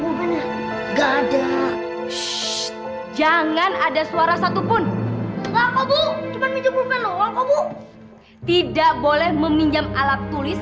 bukannya gak ada shh jangan ada suara satupun aku bukannya tidak boleh meminjam alat tulis